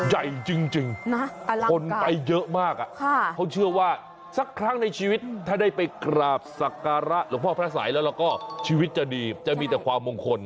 ใหญ่จริงคนไปเยอะมากเขาเชื่อว่าสักครั้งในชีวิตถ้าได้ไปกราบสักการะหลวงพ่อพระสัยแล้วเราก็ชีวิตจะดีจะมีแต่ความมงคล